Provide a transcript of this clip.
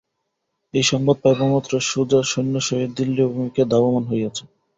এই সংবাদ পাইবামাত্র সুজা সৈন্যসহিত দিল্লি-অভিমুখে ধাবমান হইয়াছেন।